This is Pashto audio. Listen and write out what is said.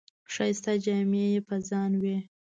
ښایسته جامې یې په ځان وې.